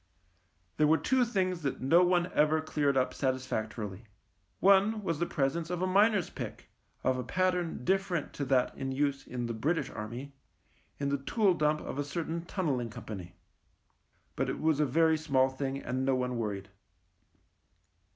There were two things that no one ever cleared up satisfactorily. One was the pre sence of a miner's pick, of a pattern different to that in use in the British Army, in the tool dump of a certain Tunnelling Company. But it was a very small thing, and no one worried.